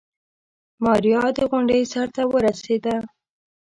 ماريا د غونډۍ سر ته ورسېده.